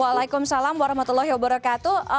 waalaikumsalam warahmatullahi wabarakatuh